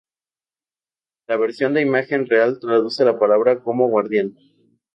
La versión en imagen real traduce la palabra como 'guardián'.